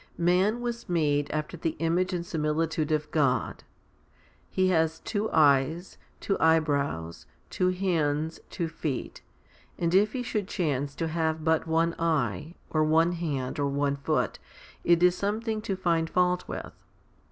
Man was made after the image and similitude of God : he has two eyes, two eyebrows, two hands, two feet, and if he should chance to have but one eye, or one hand, or one foot, it is something to find fault with.